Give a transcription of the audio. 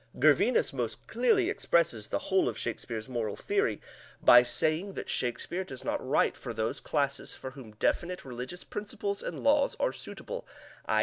Gervinus most clearly expresses the whole of Shakespeare's moral theory by saying that Shakespeare does not write for those classes for whom definite religious principles and laws are suitable (_i.